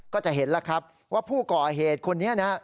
ก็จะเห็นแล้วครับว่าผู้ก่อเหตุคนนี้นะ